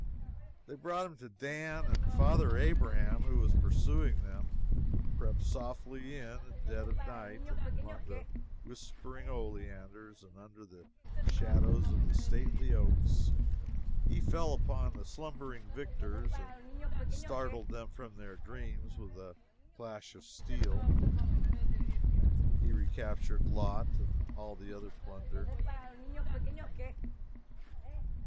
They brought him to Dan, and father Abraham, who was pursuing them, crept softly in at dead of night, among the whispering oleanders and under the shadows of the stately oaks, and fell upon the slumbering victors and startled them from their dreams with the clash of steel. He recaptured Lot and all the other plunder.